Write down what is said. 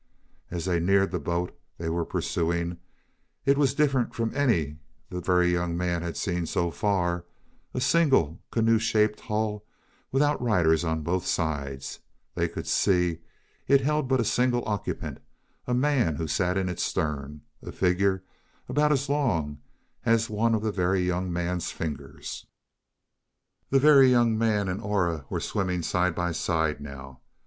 As they neared the boat they were pursuing it was different from any the Very Young Man had seen so far, a single, canoe shaped hull, with out riders on both sides they could see it held but a single occupant, a man who sat in its stern a figure about as long as one of the Very Young Man's fingers. The Very Young Man and Aura were swimming side by side, now.